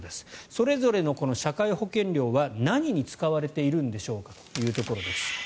それぞれの社会保険料は何に使われているんでしょうかというところです。